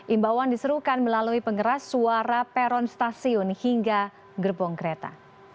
imbauan diserukan melalui pengeras suara peron stasiun hingga gerbong kereta